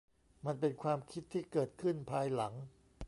มันเป็นความคิดที่เกิดขึ้นภายหลัง